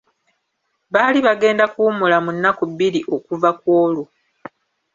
Baali bagenda kuwummula mu nnaku bbiri okuva kw'olwo.